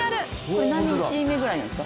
何日目ぐらいなんですか？